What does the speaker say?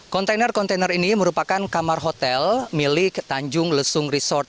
kontainer kontainer ini merupakan kamar hotel milik tanjung lesung resort